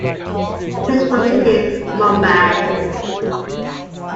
"Principal cities: Mumbai"